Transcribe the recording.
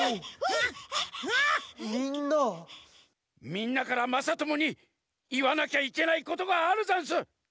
みんなからまさともにいわなきゃいけないことがあるざんす。